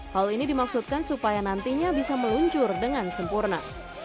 hal ini dimaksudkan supaya nantinya bisa meluncur dengan sempurna